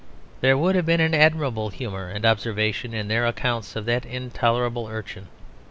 There would have been admirable humour and observation in their accounts of that intolerable urchin.